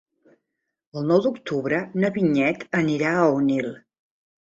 El nou d'octubre na Vinyet anirà a Onil.